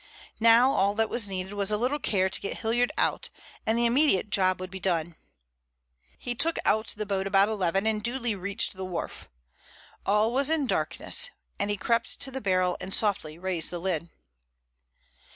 Now all that was needed was a little care to get Hilliard out, and the immediate job would be done. He took out the boat about eleven and duly reached the wharf. All was in darkness, and he crept to the barrel and softly raised the lid.